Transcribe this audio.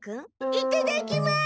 いただきます！